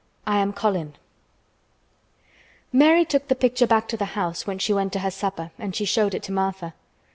"I AM COLIN" Mary took the picture back to the house when she went to her supper and she showed it to Martha.